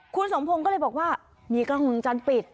คุณสมพงษ์ก็เลยบอกว่ามีกล้องมือจันทร์ปิด